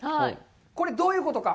これどういうことか。